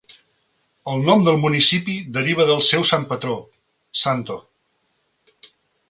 El nom del municipi deriva del seu sant patró, Sto.